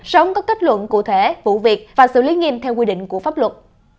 sớm có kết luận cụ thể vụ việc và xử lý nghiêm theo quy định của pháp luật